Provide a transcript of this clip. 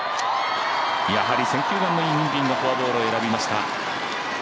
やはり選球眼のいい任敏がフォアボールを選びました。